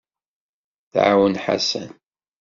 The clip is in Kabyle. Tɛawen Ḥasan.